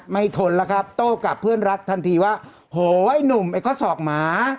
ไม่ทนละครับโตกลับเพื่อนรักทันทีว่าโหไอ้หนุ่มไอ้ก็สอกหมา